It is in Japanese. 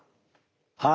はい。